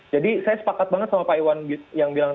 jadi saya sepakat banget sama pak iwan yang bilang